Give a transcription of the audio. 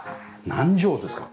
何畳ですか？